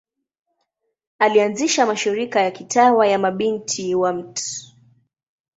Alianzisha mashirika ya kitawa ya Mabinti wa Mt.